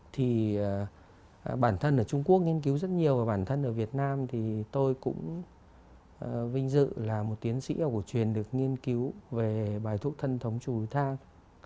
thì bản thân ở trung quốc nghiên cứu rất nhiều và bản thân ở việt nam thì tôi cũng vinh dự là một tiến sĩ y học của truyền được nghiên cứu về bài thuốc thân thống chung với thang